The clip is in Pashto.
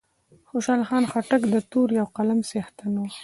خوشحال خان خټک د تورې او قلم څښتن وو